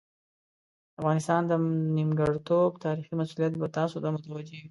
د افغانستان د نیمګړتوب تاریخي مسوولیت به تاسو ته متوجه وي.